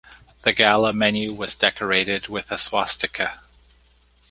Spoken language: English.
The gala menu was decorated with a swastika.